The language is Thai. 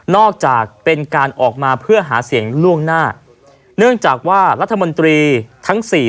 จากเป็นการออกมาเพื่อหาเสียงล่วงหน้าเนื่องจากว่ารัฐมนตรีทั้งสี่